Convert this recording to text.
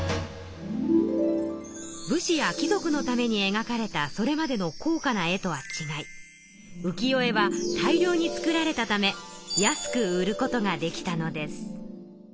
武士や貴族のために描かれたそれまでの高価な絵とはちがい浮世絵は大量に作られたため安く売ることができたのです。